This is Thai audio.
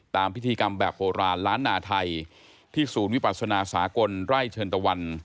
พิธีกรรมแบบโบราณล้านนาไทยที่ศูนย์วิปัสนาสากลไร่เชิญตะวัน